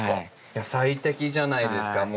いや最適じゃないですか。